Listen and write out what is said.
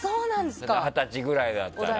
二十歳ぐらいだったら。